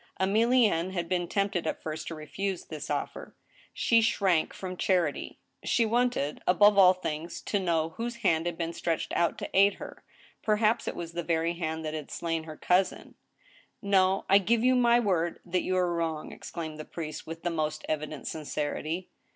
Emilienne had been tempted at first to refuse this offer. She shrank from charity. She wanted, above all things, to know whose hand had been stretched out to aid her. Perhaps it was the very hand that had slain their cousin !'• No ; I give you my word that you are wrong !" exclaimed the priest, with the most evident sincerity.